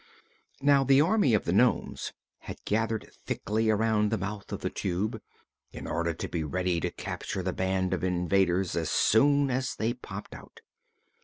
Now the army of nomes had gathered thickly around the mouth of the Tube, in order to be ready to capture the band of invaders as soon as they popped out.